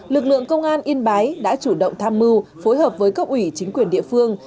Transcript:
lực lượng công an yên bái đã chủ động tham mưu phối hợp với cấp ủy chính quyền địa phương